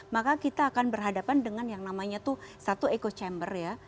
maka kita akan berhadapan dengan yang namanya tuh satu echo chamber ya